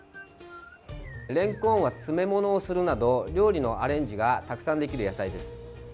れんこんは詰め物をするなど料理のアレンジがたくさんできる野菜です。